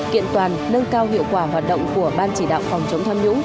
kiện toàn nâng cao hiệu quả hoạt động của ban chỉ đạo phòng chống tham nhũng